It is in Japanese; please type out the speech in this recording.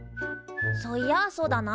そういやあそうだな。